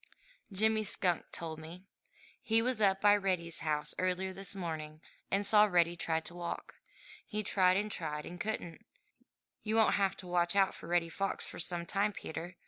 "Jimmy Skunk told me. He was up by Reddy's house early this morning and saw Reddy try to walk. He tried and tried and couldn't. You won't have to watch out for Reddy Fox for some time, Peter.